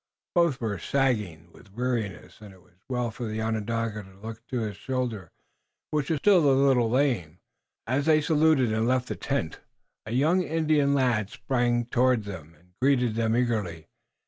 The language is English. Both were sagging with weariness, and it was well for the Onondaga to look to his shoulder, which was still a little lame. As they saluted and left the tent a young Indian lad sprang toward them and greeted them eagerly.